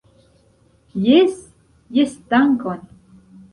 Jes, jes dankon